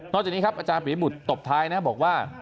จากนี้ครับอาจารย์ปียบุตรตบท้ายนะบอกว่า